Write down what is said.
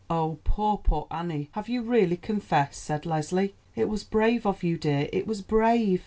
"Oh, poor, poor Annie; have you really confessed?" said Leslie. "It was brave of you, dear; it was brave."